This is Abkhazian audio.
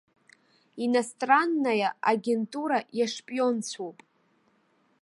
Иностраннаиа агентура иашпионцәоуп.